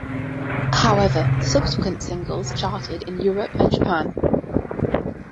However, subsequent singles charted in Europe and Japan.